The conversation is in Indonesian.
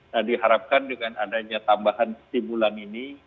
nah diharapkan dengan adanya tambahan stimulan ini